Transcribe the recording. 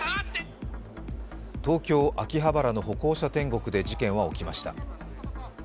東京・秋葉原の歩行者天国で事件は起きました。